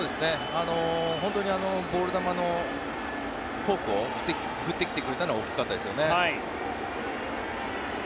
本当にボール球のフォークを振ってきてくれたのは大きかったですよね。